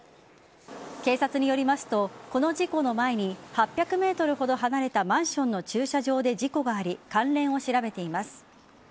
警察によりますとこの事故の前に８００ｍほど離れたマンションの駐車場で事故があり関連を調べています。